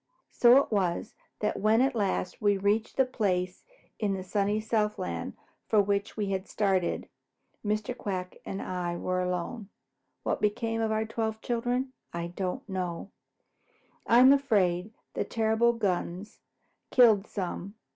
So it was that when at last we reached the place in the sunny Southland for which we had started, Mr. Quack and I were alone. What became of our twelve children I don't know. I am afraid the terrible guns killed some.